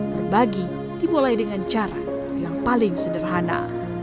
terbagi dibuat dengan cara yang paling sederhana